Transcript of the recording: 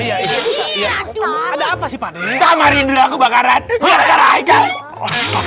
ini aduh ada apa sih kamera nah indri aku bakar rada dg